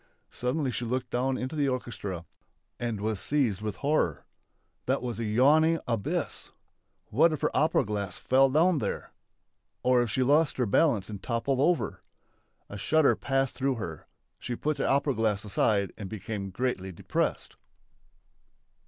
Suddenly she looked down into the orchestra and was seized with horror. That was a yawning abyss! What if her opera glass fell down there! Or if she lost her balance and toppled over! A shudder passed through her. She put the opera glass aside and became greatly depressed.